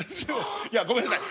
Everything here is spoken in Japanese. いやごめんなさい。